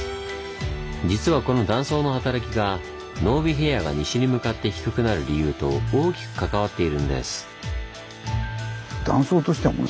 実はこの断層の働きが濃尾平野が西に向かって低くなる理由と大きく関わっているんです。